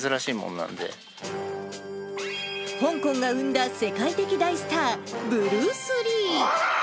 なん香港が生んだ世界的大スター、ブルース・リー。